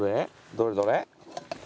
どれどれ？